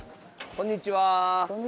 こんにちは。